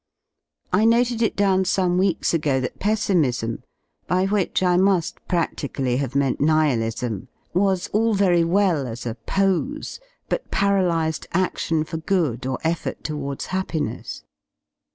I noted it down some weeks ago that pessimism, by which I muift pradically have meant Nihilism, was all very well as a pose, but paralysed adion for good or effort towards happiness.